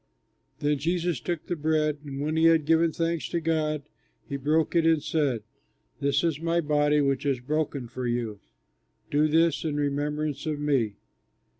Then Jesus took the bread and, when he had given thanks to God, he broke it and said, "This is my body which is broken for you; do this in remembrance of me."